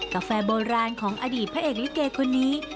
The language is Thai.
กาแฟโบราณของอดีตพระเอกลิเกคนนี้